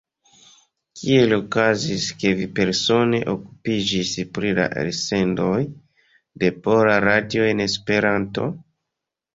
Kiel okazis ke vi persone ekokupiĝis pri la elsendoj de Pola Radio en Esperanto?